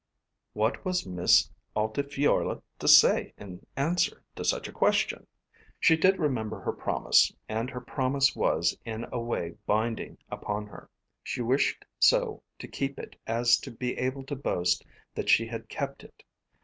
What was Miss Altifiorla to say in answer to such a question? She did remember her promise, and her promise was in a way binding upon her. She wished so to keep it as to be able to boast that she had kept it.